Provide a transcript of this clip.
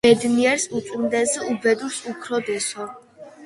ბედნიერს უწვიმდეს, უბედურს-უქროდესო